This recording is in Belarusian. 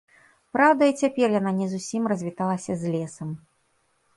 Праўда, і цяпер яна не зусім развіталася з лесам.